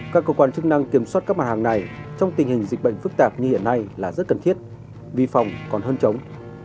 các cơ quan chức năng kiểm soát các mặt hàng này trong tình hình dịch bệnh phức tạp như hiện nay là rất cần thiết vi phòng còn hơn chống